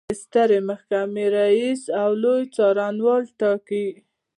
د سترې محکمې رئیس او لوی څارنوال ټاکي.